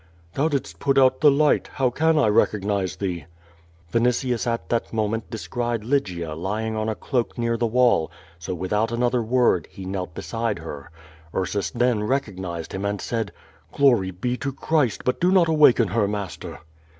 "Thou didst put out the light. How can 1 recognize tliee?" Vinitius at that moment descried Lygia lying on a cloak near the wall, so without another word, lie knelt beside her. Crsus then recognized him and said: 'Glory be to Christ, but do not awaken her, master."